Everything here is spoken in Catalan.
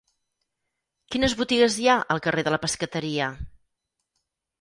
Quines botigues hi ha al carrer de la Pescateria?